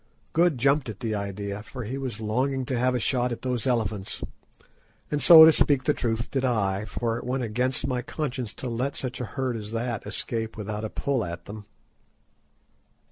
Good jumped at the idea, for he was longing to have a shot at those elephants; and so, to speak the truth, did I, for it went against my conscience to let such a herd as that escape without a pull at them.